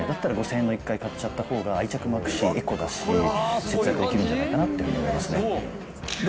だったら５０００円の１回買っちゃったほうが愛着も湧くし、エコだし、節約できるんじゃないかというふうに思いますね。